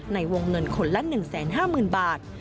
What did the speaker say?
ในวงเงินคนละ๑๕๐๐๐บาท